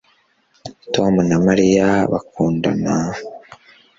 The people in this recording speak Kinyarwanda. Tom na Mariya bakundana